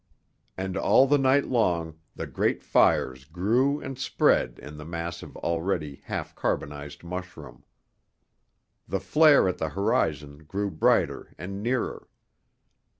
And all the night long the great fires grew and spread in the mass of already half carbonized mushroom. The flare at the horizon grew brighter and nearer.